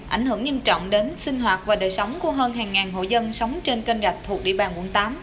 ảnh hưởng nghiêm trọng đến sinh hoạt và đời sống của hơn hàng ngàn hộ dân sống trên kênh rạch thuộc địa bàn quận tám